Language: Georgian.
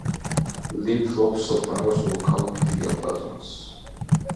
ლი ფლობს სოპრანოს ვოკალურ დიაპაზონს.